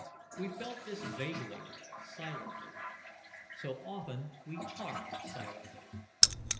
We felt this vaguely, silently. So often we talked silently.